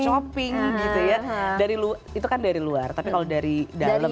shopping gitu ya itu kan dari luar tapi kalau dari dalam